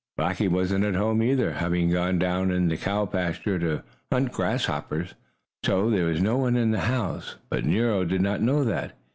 Blackie wasn't at home, either, having gone down in the cow pasture to hunt grasshoppers, so there was no one in the house. But Nero did not know that.